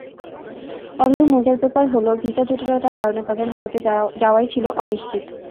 অথচ মজার ব্যাপার হলো, ভিসা জটিলতার কারণে তাদের ভারতে যাওয়াই ছিল অনিশ্চিত।